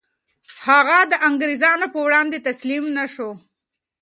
هغه د انګریزانو په وړاندې تسلیم نه شو.